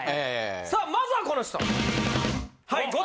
さあまずはこの人。